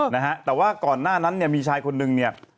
นะฮะแต่ว่าก่อนหน้านั้นเนี่ยมีชายคนนึงเนี่ย